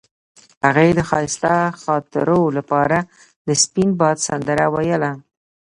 هغې د ښایسته خاطرو لپاره د سپین باد سندره ویله.